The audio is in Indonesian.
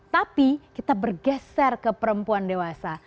tapi kita bergeser ke perempuan dewasa